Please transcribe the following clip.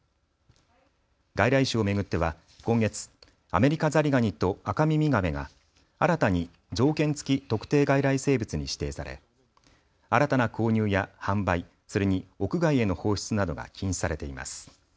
外来種を巡っては今月、アメリカザリガニとアカミミガメが新たに条件付特定外来生物に指定され、新たな購入や販売、それに屋外への放出などが禁止されています。